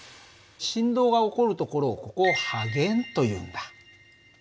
振動が起こる所をここを波源というんだ。